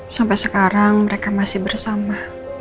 sampai sekarang mereka masih bersama